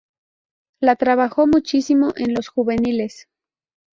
La trabajó muchísimo en los juveniles.